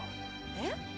えっ？